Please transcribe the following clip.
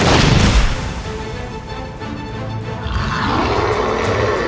oleh karena dendam